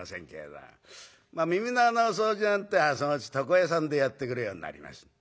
まあ耳の穴の掃除なんてそのうち床屋さんでやってくれるようになります。